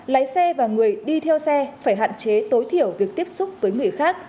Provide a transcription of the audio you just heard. lái xe và người đi theo xe phải hạn chế tối thiểu việc tiếp xúc với người khác